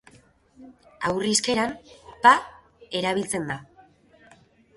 Haur hizkeran pa erabiltzen da.